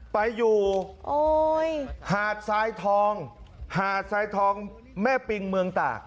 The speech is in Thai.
ไปอยู่หาดทรายทองหาดทรายทองแม่ปิงเมืองตาก